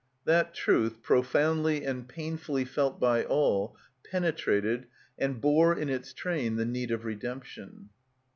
That truth, profoundly and painfully felt by all, penetrated, and bore in its train the need of redemption.